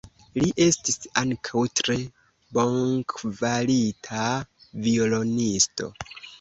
Li estis ankaŭ tre bonkvalita violonisto.